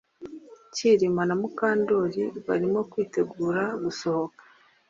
Kirima na Mukandoli barimo kwitegura gusohoka